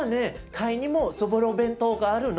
タイにもそぼろ弁当があるの。